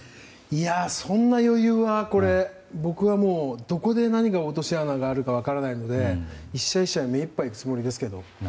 そんな余裕は僕はもう、どこで何が落とし穴があるか分からないので１試合１試合目いっぱいいくつもりですけども。